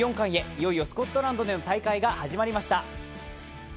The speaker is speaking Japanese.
いよいよスコットランドでの大会が始まりました。